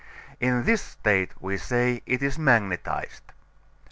In this state we say it is magnetized.